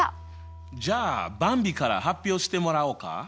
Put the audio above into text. じゃあばんびから発表してもらおうか。